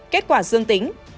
kết quả dương tính